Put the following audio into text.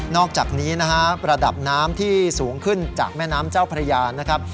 อกจากนี้นะฮะระดับน้ำที่สูงขึ้นจากแม่น้ำเจ้าพระยานะครับ